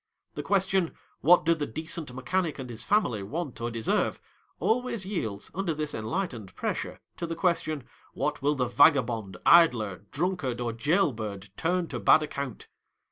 The question, "what do the decent mechanic ana his family want, or deserve?" always yields, under this enlightened pres . to the question, " what will the vagabond idler, drunkard, or jail bird, turn to bad ac count?"